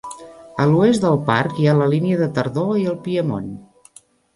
A l'oest del parc hi ha la línia de tardor i el Piemont.